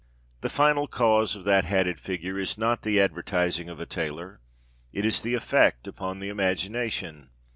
The final cause of that hatted figure is not the advertising of a tailor; it is the effect upon the imagination.